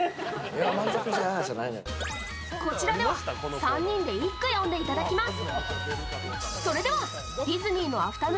こちらでは３人で１句詠んでいただきます。